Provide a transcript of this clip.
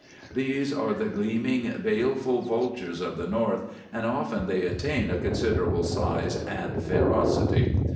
These are the gleaming, baleful vultures of the North, and often they attain a considerable size and ferocity.